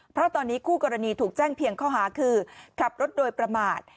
เพราะตอนนี้คู่กรณีถูกแจ้งเพียงข้อหาคือขับรถโดยประมาท